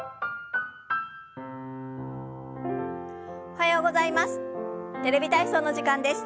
おはようございます。